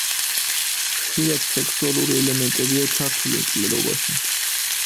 ხშირად სექსუალური ელემენტებია ჩართული მკვლელობაში.